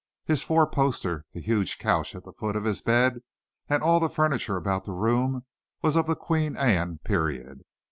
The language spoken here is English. His four poster, the huge couch at the foot of his bed, and all the furniture about the room, was of the Queen Anne period.